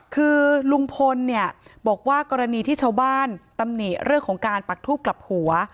คือลุงพลเนี่ยบอกว่ากรณีที่ชาวบ้านตำหนิเรื่องของการปักทูบกลับหัว